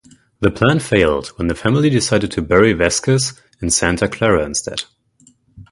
The plan failed when the family decided to bury Vazquez in Santa Clara instead.